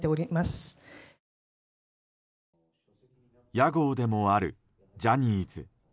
屋号でもあるジャニーズ。